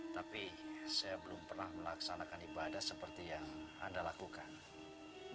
tapi saya belum pernah melaksanakan ibadah seperti yang anda lakukan